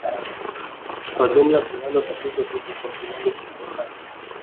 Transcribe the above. Kwa ujumla tunalo tatizo hili kwa kiwango kikubwa sana